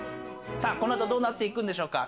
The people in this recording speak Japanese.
この後どうなっていくんでしょうか？